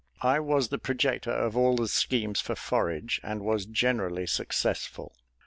I was the projector of all the schemes for forage, and was generally successful.